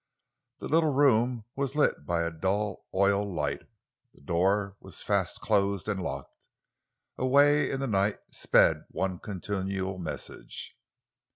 The little room was lit by a dull oil light, the door was fast closed and locked. Away into the night sped one continual message.